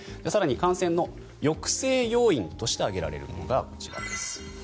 更に感染の抑制要因として挙げられるのがこちらです。